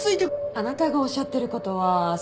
あなたがおっしゃってることは全て誤解で。